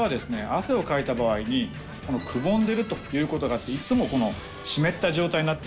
汗をかいた場合にくぼんでるということがあっていつも湿った状態になってるんですね。